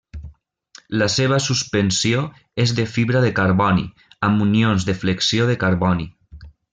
La seva suspensió és de fibra de carboni amb unions de flexió de carboni.